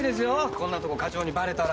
こんなとこ課長にばれたら。